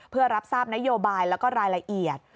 เพื่อรับทราบนโยบายแล้วก็รายละเอียด